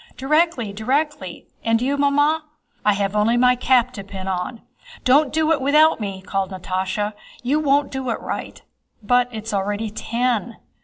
"Directly! Directly! And you, Mamma?" "I have only my cap to pin on." "Don't do it without me!" called Natásha. "You won't do it right." "But it's already ten."